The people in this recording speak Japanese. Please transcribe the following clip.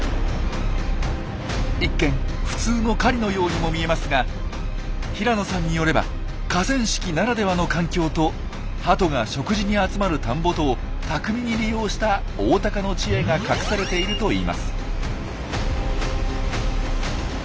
一見普通の狩りのようにも見えますが平野さんによれば河川敷ならではの環境とハトが食事に集まる田んぼとを巧みに利用したオオタカの知恵が隠されているといいます。